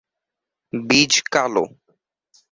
বীজ কালো।